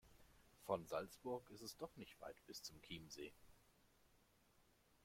Von Salzburg ist es doch nicht weit bis zum Chiemsee.